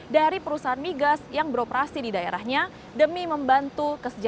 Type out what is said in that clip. dari perusahaan migas yang beroperasi di daerahnya demi membantu kesejahteraan